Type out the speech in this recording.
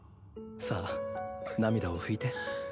さあ涙を拭いて。